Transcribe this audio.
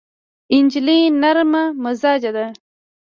نجلۍ نرم مزاجه ده.